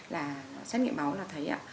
là xét nghiệm máu là thấy ạ